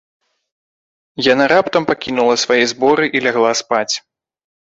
Яна раптам пакінула свае зборы і лягла спаць.